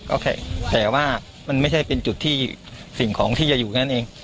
ก็แค่แต่ว่ามันไม่ใช่เป็นจุดที่สิ่งของที่จะอยู่แค่นั้นเอง